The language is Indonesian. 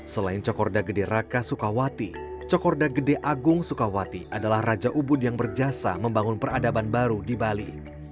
selain cokorda gede raka sukawati cokorda gede agung sukawati adalah raja ubud yang berjasa membangun peradaban baru di bali